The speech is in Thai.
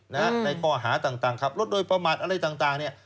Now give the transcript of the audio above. ในข้อหาต่างขับรถโดยประมาทอะไรต่างเนี่ย